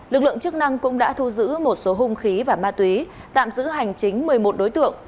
lực lượng chức năng cũng đã thu giữ một số hung khí và ma túy tạm giữ hành chính một mươi một đối tượng